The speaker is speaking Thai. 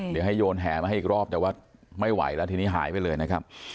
เดี๋ยวให้โยนแหมาให้อีกรอบแต่ว่าไม่ไหวแล้วทีนี้หายไปเลยนะครับ